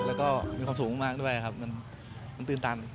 แล้วก็มีความสุขมากด้วยครับมันตื่นตัน